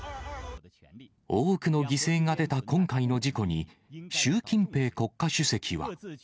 多くの犠牲が出た今回の事故に、習近平国家主席は。